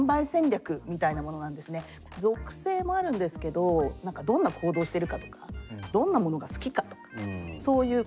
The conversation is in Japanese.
属性もあるんですけど何かどんな行動してるかとかどんなものが好きかとかそういううん。